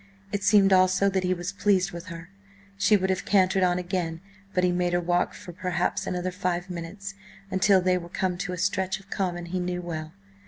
It seemed also that he was pleased with her. She would have cantered on again, but he made her walk for, perhaps, another five minutes, until they were come to a stretch of common he knew well.